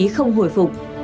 thậm chí không hồi phục